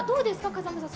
風間さん